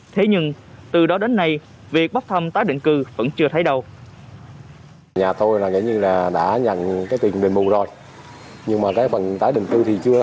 thế nhưng từ đó đến nay việc bắt thăm tái định cư vẫn chưa thấy đâu